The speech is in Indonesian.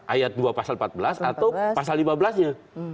ayat dua pasal empat belas atau pasal lima belas nya